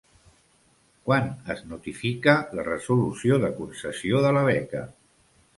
Quan es notifica la resolució de concessió de la beca?